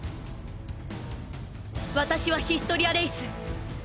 私はヒストリア・レイス。